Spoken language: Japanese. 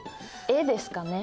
絵ですかね？